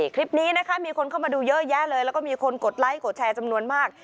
คลิปนี้นะคะมีคนเข้ามาดูเยอะแยะเลยแล้วก็มีคนกดไลค์กดแชร์จำนวนมาก